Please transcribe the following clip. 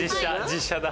実写だ。